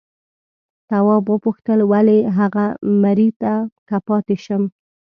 تواب وپوښتل ولې هغه مري که پاتې شم؟